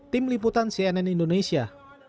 tim liputan cnn indonesia